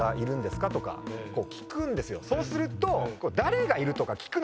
そうすると。